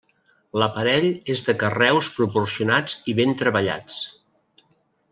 L'aparell és de carreus proporcionats i ben treballats.